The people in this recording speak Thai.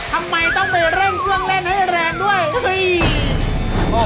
ทำไมต้องไปเร่งเครื่องเล่นให้แรงด้วยเฮ้ย